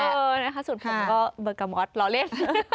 เออส่วนผมก็เบอร์กะม็อตล้อเล่น